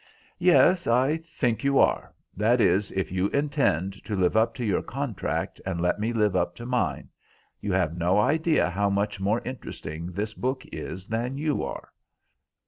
"Yes, I think you are: that is, if you intend to live up to your contract, and let me live up to mine. You have no idea how much more interesting this book is than you are."